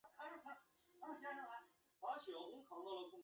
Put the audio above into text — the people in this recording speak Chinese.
本站为广州地铁线网位处最北的车站。